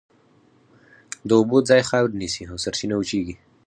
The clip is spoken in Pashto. د اوبو ځای خاورې نیسي او سرچینه وچېږي.